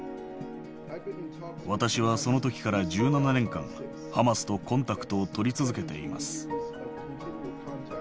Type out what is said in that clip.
私はそのときから１７年間、ハマスとコンタクトを取り続けています。